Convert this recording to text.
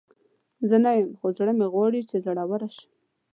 زه نه یم، خو زړه مې غواړي چې زړوره شم.